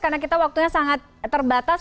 karena kita waktunya sangat terbatas